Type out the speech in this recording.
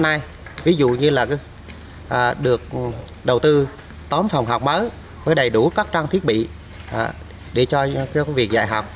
hôm nay ví dụ như là được đầu tư tóm phòng học mới với đầy đủ các trang thiết bị để cho việc dạy học